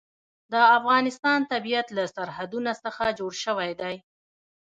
د افغانستان طبیعت له سرحدونه څخه جوړ شوی دی.